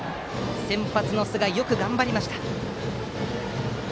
先発の須貝、よく頑張りました。